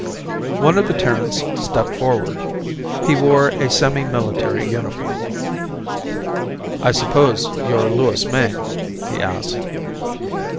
One of the Terrans stepped forward. He wore a semimilitary uniform. "I suppose you're Louis Mayne?" he asked.